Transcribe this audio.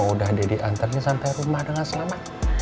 udah jadi antar dia sampai rumah dengan selamat